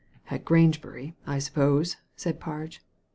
"At Grangcbury, I suppose? " said Parge.